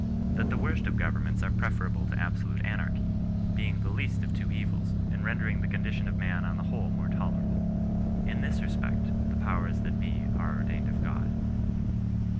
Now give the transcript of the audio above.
That the worst of govemments are preferable to absolute anarchy — ^being the least of two OTils, and rendering the condition of man on the whole more tolerable. In this respect " the powers that be are ordained of God."